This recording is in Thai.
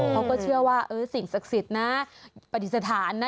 เขาก็เชื่อว่าสิ่งศักดิ์สิทธิ์นะปฏิสถานนะ